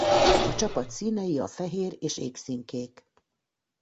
A csapat színei a fehér és égszínkék.